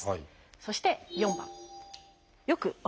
そして４番。